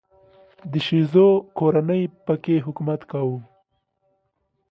د شیزو کورنۍ په کې حکومت کاوه.